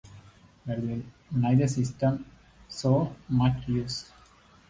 Neither system saw much use.